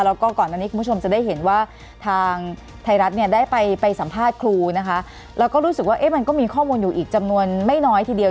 แล้วก็ก่อนอันนี้คุณผู้ชมจะได้เห็นว่าทางไทยรัฐเนี่ยได้ไปสัมภาษณ์ครูนะคะแล้วก็รู้สึกว่ามันก็มีข้อมูลอยู่อีกจำนวนไม่น้อยทีเดียว